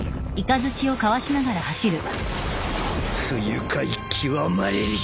不愉快極まれり！